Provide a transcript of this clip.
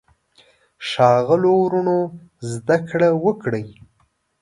ښاغلو وروڼو زده کړه وکړئ.